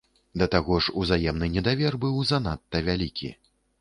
Да таго ж узаемны недавер быў занадта вялікі.